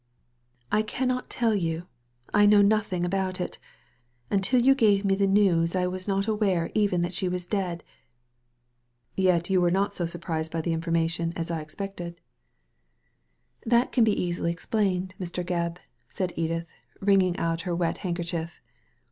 " I cannot tell you : I know nothing about it Until you gave me the news I ^as not aware even that she was dead." " Yet you were not so surprised by the information as I expected." Digitized by Google THE MAD GARDENER 113 That can be easily explained, Mr. Gebb/* said Edith, wringing out her wet handkerchief.